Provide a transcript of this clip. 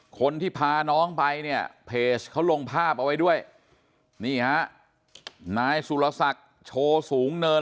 คนที่พาน้องไปเนี่ยเพจเขาลงภาพเอาไว้ด้วยนี่ฮะนายสุรศักดิ์โชว์สูงเนิน